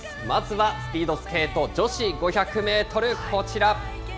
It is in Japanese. まずはスピードスケート女子５００メートル、こちら。